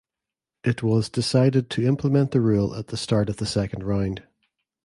It was decided to implement the rule at the start of the second round.